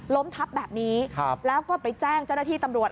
ทับแบบนี้แล้วก็ไปแจ้งเจ้าหน้าที่ตำรวจ